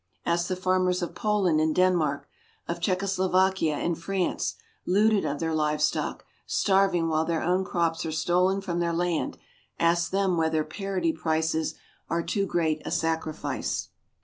Ask the farmers of Poland and Denmark, of Czechoslovakia and France, looted of their livestock, starving while their own crops are stolen from their land, ask them whether "parity" prices are too great a "sacrifice."